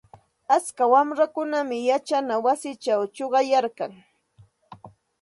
Atska wamrakunam yachana wasichaw chuqayarkan.